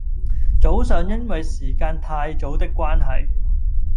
早上因為時間太早的關係